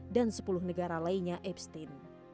dan sepuluh negara lainnya abstain